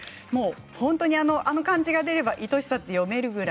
本当にあの漢字が出ればいとしさと読めるぐらい。